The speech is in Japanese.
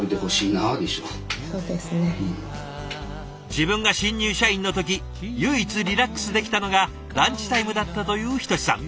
自分が新入社員の時唯一リラックスできたのがランチタイムだったという一志さん。